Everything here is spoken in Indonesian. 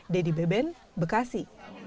dedy beben bekasi